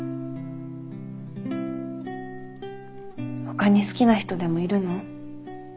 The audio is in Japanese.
ほかに好きな人でもいるの？